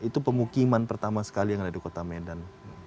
itu pemukiman pertama sekali yang ada di kota medan